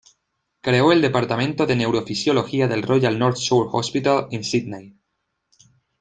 Creó el departamento de neurofisiología del Royal North Shore Hospital, en Sídney.